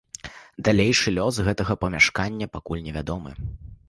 Далейшы лёс гэтага памяшкання пакуль невядомы.